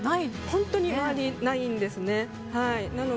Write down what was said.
本当に周りないんですね。